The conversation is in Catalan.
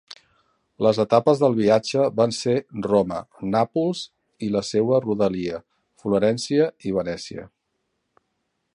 Les etapes del viatge van ser Roma, Nàpols i la seua rodalia, Florència i Venècia.